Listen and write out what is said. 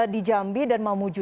di jambi dan mamuju